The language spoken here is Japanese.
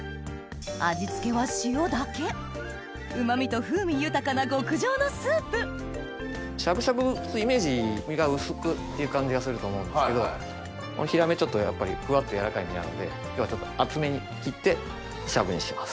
味付けは塩だけうま味と風味豊かな極上のスープしゃぶしゃぶのイメージ身が薄くっていう感じがすると思うんですけどこのヒラメちょっとやっぱりフワっと柔らかい身なので今日はちょっと厚めに切ってしゃぶにします。